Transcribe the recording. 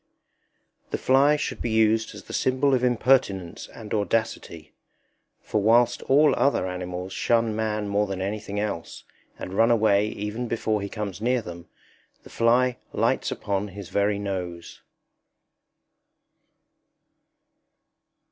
The fly should be used as the symbol of impertinence and audacity; for whilst all other animals shun man more than anything else, and run away even before he comes near them, the fly lights upon his very nose.